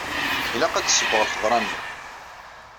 Ilaq ad d-ssewweɣ lxeḍra-nni.